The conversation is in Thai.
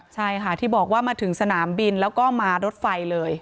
ใช่ค่ะที่บอกว่ามาถึงสนามบินแล้วก็มารถไฟเลย